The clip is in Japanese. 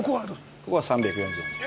ここは３４０円です。